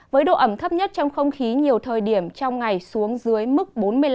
với độ ẩm thấp nhất trong không khí nhiều thời điểm trong ngày xuống dưới mức bốn mươi năm